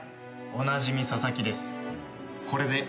おなじみ佐々木です。